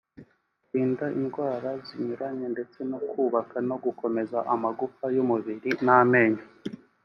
kurinda indwara zinyuranye ndetse no kubaka no gukomeza amagufa y’umubiri n’amenyo